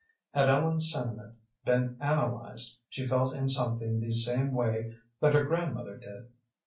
Had Ellen's sentiment been analyzed, she felt in something the same way that her grandmother did.